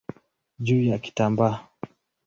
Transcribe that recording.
juu ya kitambaa.